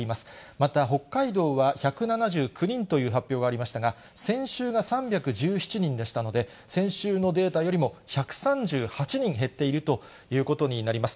また北海道は１７９人という発表がありましたが、先週が３１７人でしたので、先週のデータよりも１３８人減っているということになります。